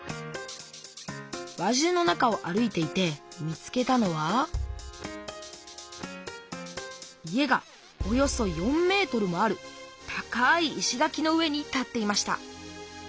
輪中の中を歩いていて見つけたのは家がおよそ４ｍもある高い石がきの上に建っていました。